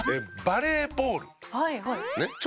バレーボール。